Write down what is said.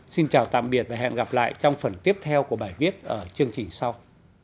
xin chào tạm biệt và hẹn gặp lại trong phần tiếp theo của bài viết ở chương trình sau